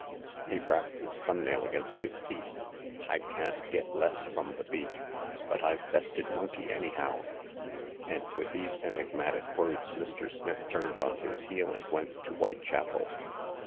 Tck !" he rapped his thumbnail against his teeth. " I can't get less from the beak ; but Fve bested Monkey anyhow !" .And with these enigmatic words, Mr. Smith turned on his heel and went to Whitechapel.